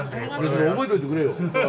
覚えといてくれよ。